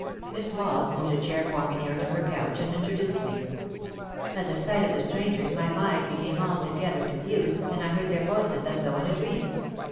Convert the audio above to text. Miss Wald moved a chair for me near to her couch and introduced me. At the sight of the strangers my mind became altogether confused and I heard their voices as though in a dream.